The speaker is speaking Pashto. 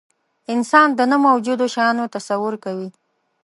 انسان د نه موجودو شیانو تصور کوي.